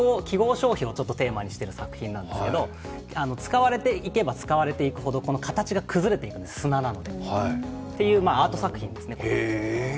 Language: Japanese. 消費をテーマにしている作品なんですけど使われていけば使われていくほど、形が崩れていく、砂なのでというアート作品ですね。